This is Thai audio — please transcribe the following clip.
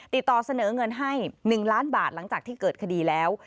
เสนอเงินให้๑ล้านบาทหลังจากที่เกิดคดีแล้ว